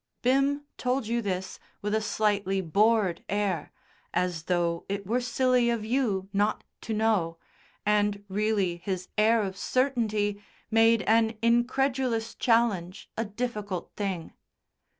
Bim told you this with a slightly bored air, as though it were silly of you not to know, and really his air of certainty made an incredulous challenge a difficult thing.